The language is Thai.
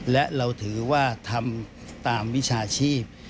และเราถือว่าทำตามวิชาชีพ